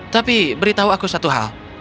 tapi beritahu aku satu hal